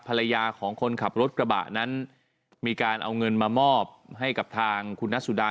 ภรรยาของคนขับรถกระบะนั้นมีการเอาเงินมามอบให้กับทางคุณนัสสุดา